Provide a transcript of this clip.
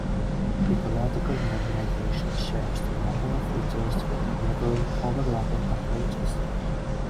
Ecological modernization shares a number of features with neighbouring, overlapping approaches.